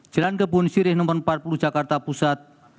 jalan kebun sirih no empat puluh jakarta pusat